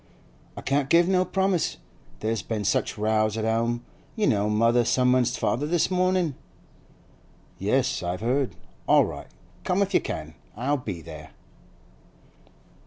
'I can't give no promise. There's been such rows at 'ome. You know mother summonsed father this mornin'?' 'Yes, I've heard. All right! come if you can; I'll be there.